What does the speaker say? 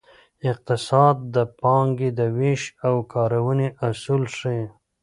اقتصاد د پانګې د ویش او کارونې اصول ښيي.